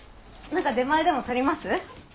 何か出前でも取ります？